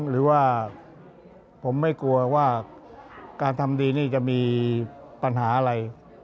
หรือว่าผมไม่กลัวว่าการทำดีนี่จะมีปัญหาอะไร